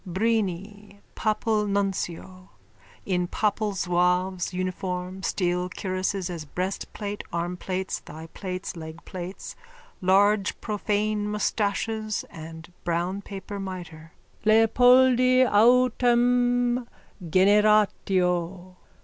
_ BRINI, PAPAL NUNCIO: _(In papal zouave's uniform, steel cuirasses as breastplate, armplates, thighplates, legplates, large profane moustaches and brown paper mitre.) Leopoldi autem generatio.